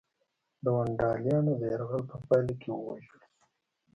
د ونډالیانو د یرغل په پایله کې ووژل شو.